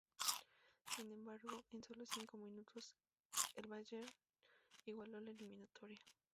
Sin embargo, en sólo cinco minutos el Bayern igualó la eliminatoria.